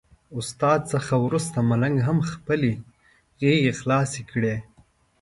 د استاد څخه وروسته ملنګ هم خپلې غېږې خلاصې کړې.